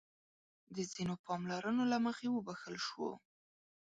د ځينو پاملرنو له مخې وبښل شو.